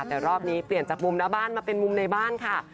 แต่รอบนี้เปลี่ยนจากมุมหน้าบ้านมาเป็นมุมในบ้านค่ะ